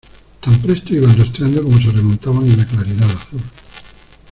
tan presto iban rastreando como se remontaban en la claridad azul.